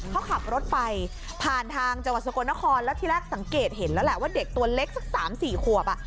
เขาขับรถไปผ่านทางจังหวัดสกลนครแล้วที่แรกสังเกตเห็นแล้วแหละว่าเด็กตัวเล็กสักสามสี่ขวบอ่ะ